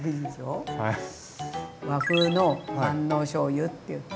和風の万能しょうゆっていって。